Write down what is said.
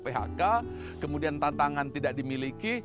phk kemudian tantangan tidak dimiliki